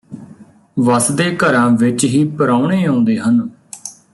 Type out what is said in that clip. ਵਸਦੇ ਘਰਾਂ ਵਿਚ ਹੀ ਪ੍ਰਾਹੁਣੇ ਆਉਂਦੇ ਹਨ